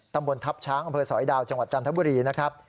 ตำบลทัพช้างอำเภอสอยดาวจังหวัดจันทบุรีนะครับ